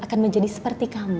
akan menjadi seperti kamu